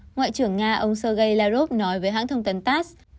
ngoại trưởng nga ông sergei lavrov nói với hãng thông tấn tass